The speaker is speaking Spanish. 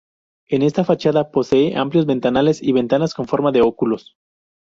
En esta fachada posee amplios ventanales y ventanas con forma de óculos.